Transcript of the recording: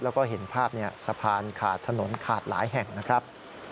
แล้วก็เห็นภาพสะพานขาดถนนขาดหลายแห่งนะครับ